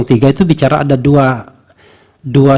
itu bicara ada dua